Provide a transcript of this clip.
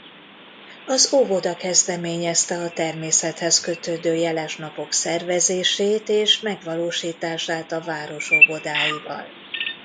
Az óvoda kezdeményezte a természethez kötődő jeles napok szervezését és megvalósítását a város óvodáival.